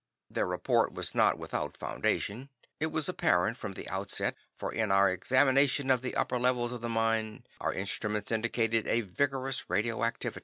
Their report was not without foundation, it was apparent from the outset, for in our examination of the upper levels of the mine, our instruments indicated a vigorous radioactivity.